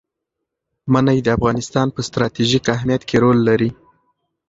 منی د افغانستان په ستراتیژیک اهمیت کې رول لري.